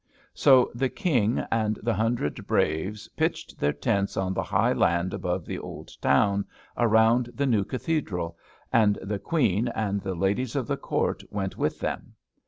So the King and the hundred braves pitched their tents on the high land above the old town, around the new Cathedral, and the Queen and the ladies of the court went with them.